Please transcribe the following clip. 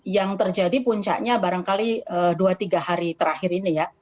yang terjadi puncaknya barangkali dua tiga hari terakhir ini ya